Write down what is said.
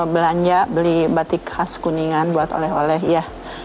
batik khas kuningan buat oleh oleh ya